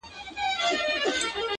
ستا د لپي په رڼو اوبو کي گراني .